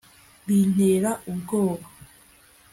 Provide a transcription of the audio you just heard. Bintera ubwoba